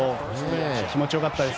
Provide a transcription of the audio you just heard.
気持ちよかったです。